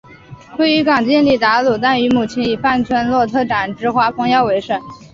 位于港町里达鲁旦特与母亲以贩卖村落特产之花封药为生。